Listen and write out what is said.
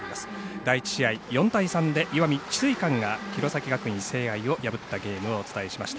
第１試合、４対３で石見智翠館が弘前学院聖愛を破ったゲームをお伝えしました。